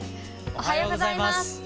おはようございます。